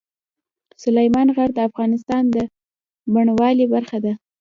سلیمان غر د افغانستان د بڼوالۍ برخه ده.